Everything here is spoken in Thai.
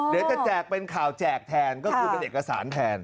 แจกเป็นข่าวแจกแทนก็คือเป็นเอกสารแทน